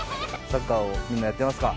サッカーをみんなやってますか？